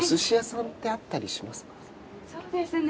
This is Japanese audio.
そうですね。